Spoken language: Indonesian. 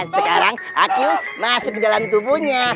sekarang akiu masuk ke dalam tubuhnya